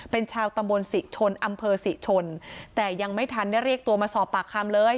เป็นชาวตำบลสิฉลอำเภอสิฉลแต่ยังไม่ทันเรียกตัวมาสอบปากคำเลย